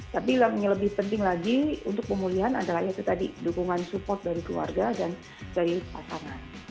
tapi yang lebih penting lagi untuk pemulihan adalah itu tadi dukungan support dari keluarga dan dari pasangan